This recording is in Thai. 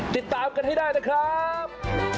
ติดตามกันให้ได้นะครับ